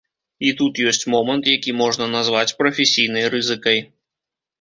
І тут ёсць момант, які можна назваць прафесійнай рызыкай.